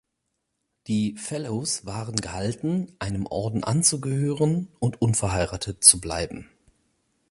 Die "fellows" waren gehalten, einem Orden anzugehören und unverheiratet zu bleiben.